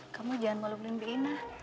kamu jangan melukulin diinah